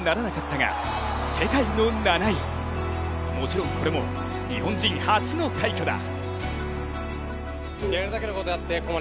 ただ世界の７位、もちろんこれも日本人初の快挙だ。